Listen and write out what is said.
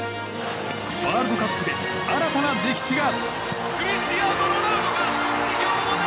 ワールドカップで新たな歴史が。